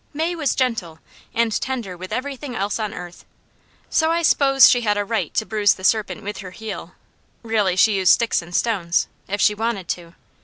May was gentle, and tender with everything else on earth; so I 'spose she had a right to bruise the serpent with her heel really she used sticks and stones if she wanted to.